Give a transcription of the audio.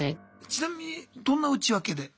ちなみにどんな内訳で？